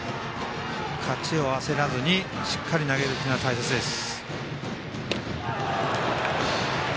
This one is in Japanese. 勝ちを焦らずにしっかり投げるのが大切です。